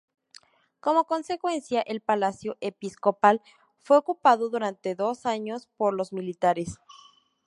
Como consecuencia, el palacio Episcopal fue ocupado durante dos años por los militares.